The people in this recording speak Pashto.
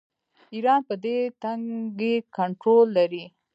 ایران پر دې تنګي کنټرول لري.